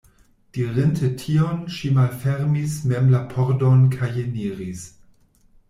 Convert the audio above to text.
Dirinte tion, ŝi malfermis mem la pordon kajeniris.